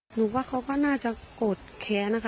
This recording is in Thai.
หนูว่าเขาก็น่าจะโกรธแค้นนะคะ